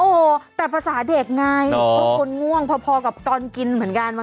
โอ้โหแต่ภาษาเด็กไงก็คนง่วงพอกับตอนกินเหมือนกัน